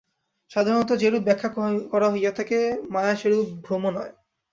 সাধারণত যেরূপ ব্যাখ্যা করা হইয়া থাকে, মায়া সেরূপ ভ্রম নয়।